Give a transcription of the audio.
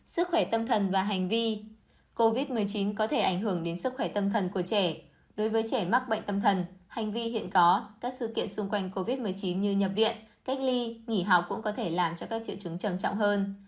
sức khỏe tâm thần và hành vi covid một mươi chín có thể ảnh hưởng đến sức khỏe tâm thần của trẻ đối với trẻ mắc bệnh tâm thần hành vi hiện có các sự kiện xung quanh covid một mươi chín như nhập viện cách ly nghỉ học cũng có thể làm cho các triệu chứng trầm trọng hơn